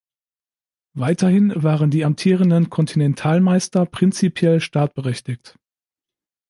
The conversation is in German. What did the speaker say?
Weiterhin waren die amtierenden Kontinentalmeister prinzipiell startberechtigt.